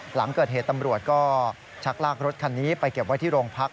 หลังเกิดเหตุตำรวจก็ชักลากรถคันนี้ไปเก็บไว้ที่โรงพัก